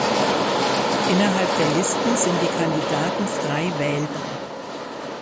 Innerhalb der Listen sind die Kandidaten frei wählbar.